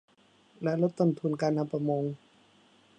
และลดต้นทุนการทำประมง